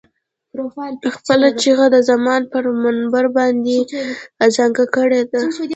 خپله چيغه د زمان پر منبر باندې اذانګه کړې ده.